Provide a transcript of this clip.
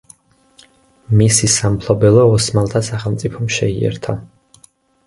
მისი სამფლობელო ოსმალთა სახელმწიფომ შეიერთა.